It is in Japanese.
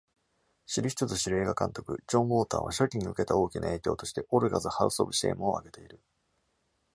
知る人ぞ知る映画監督、John Water は、初期に受けた大きな影響として「Olga’s House of Shame」をあげている。